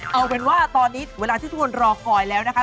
เอาเป็นว่าตอนนี้เวลาที่ทุกคนรอคอยแล้วนะคะ